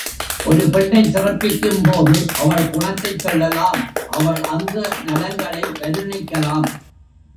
ஒரு பெண்ணைச் சிறப்பிக்கும் போது அவள் குணத்தைச் சொல்லலாம் அவள் அங்க நலங்களை வருணிக்கலாம்.